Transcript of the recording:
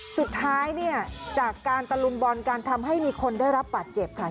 สุดท้ายเนี่ยจากการตะลุมบอลกันทำให้มีคนได้รับบาดเจ็บค่ะ